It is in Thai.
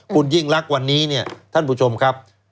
คุณยิ่งลักษณ์วันนี้ท่านผู้ชมครับ